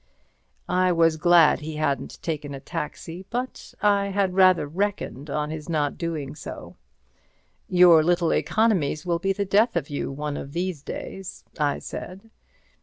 I was glad he hadn't taken a taxi, but I had rather reckoned on his not doing so. "Your little economies will be the death of you one of these days," I said.